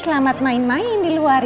selamat main main di luar